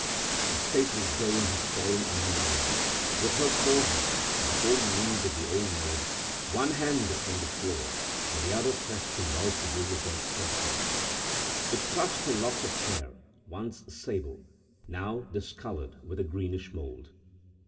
The stately dame had fallen on her knees, with her forehead on the holy knees of the Old Maid, one hand upon the floor, and the other pressed convulsively against her heart. It clutched a lock of hair, once sable, now discolored with a greenish mould.